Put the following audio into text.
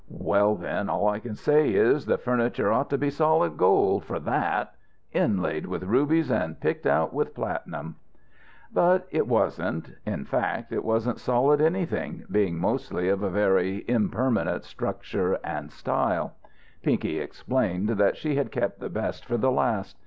"Well, then, all I can say is the furniture ought to be solid gold for that; inlaid with rubies and picked out with platinum." But it wasn't. In fact, it wasn't solid anything, being mostly of a very impermanent structure and style. Pinky explained that she had kept the best for the last.